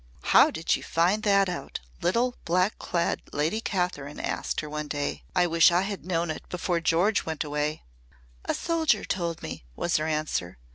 "How did you find that out?" little black clad Lady Kathryn asked her one day. "I wish I had known it before George went away." "A soldier told me," was her answer.